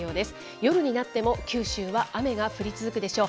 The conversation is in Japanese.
夜になっても、九州は雨が降り続くでしょう。